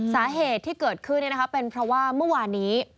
สาเหตุที่เกิดขึ้นเป็นเพราะว่าเมื่อวานนี้